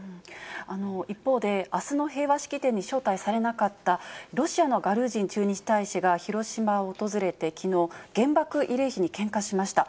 一方で、あすの平和記念式典に招待されなかった、ロシアのガルージン駐日大使が、広島を訪れて、きのう原爆慰霊碑に献花しました。